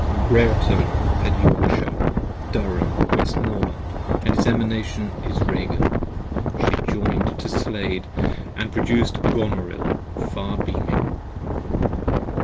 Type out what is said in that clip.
Brertun had Yorkshire, Durham, Westmoreland, & his Emanation Is Ragan: she adjoin'd to Slade, & produced Gonorill far beaming.